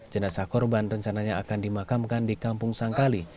jenazah korban rencananya akan dimakamkan di kampung sangkali